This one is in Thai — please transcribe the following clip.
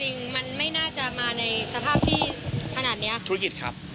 หรือว่ารุมจริงมันไม่น่าจะมาในสภาพที่ขนาดเนี้ย